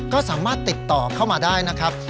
ก็สามารถติดต่อเข้ามาได้นะครับ